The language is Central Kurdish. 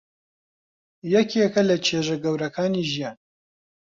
یەکێکە لە چێژە گەورەکانی ژیان.